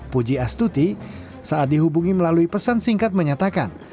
puji astuti saat dihubungi melalui pesan singkat menyatakan